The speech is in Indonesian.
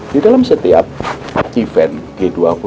di dalam setiap event g dua puluh